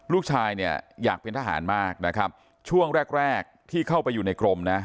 ลูกชายเนี่ยอยากเป็นทหารมากนะครับช่วงแรกแรกที่เข้าไปอยู่ในกรมนะ